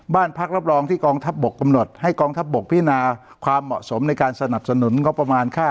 บ้านพักรับรองที่กองทัพบกกำหนดให้กองทัพบกพินาความเหมาะสมในการสนับสนุนงบประมาณค่า